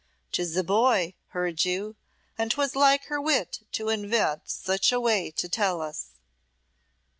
'Tis a boy, heard you, and 'twas like her wit to invent such a way to tell us."